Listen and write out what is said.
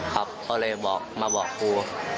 ครับก็เลยมาบอกผู้